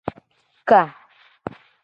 Ka.